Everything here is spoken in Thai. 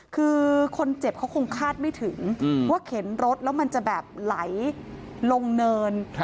คือคนเจ็บเขาคงคาดไม่ถึงว่าเข็นรถแล้วมันจะแบบไหลลงเนิน